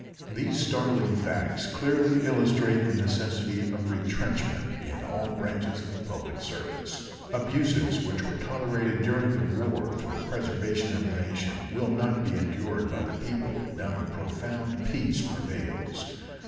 These startling facts clearly illustrate the necessity of retrenchment in all branches of the public service. Abuses which were tolerated during the war for the preservation of the nation will not be endured by the people, now that profound peace prevails.